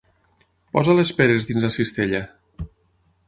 Posa les peres dins la cistella.